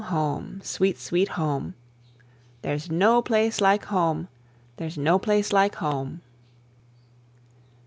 Home! sweet, sweet Home! There's no place like Home! there's no place like Home!